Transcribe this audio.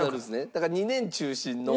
だから２年中心の。